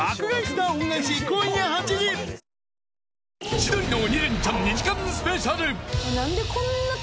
「千鳥の鬼レンチャン」２時間スペシャル。